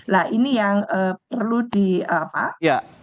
nah ini yang perlu di apa